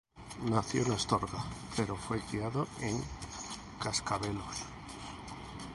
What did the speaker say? Nació en Astorga, pero fue criado en Cacabelos.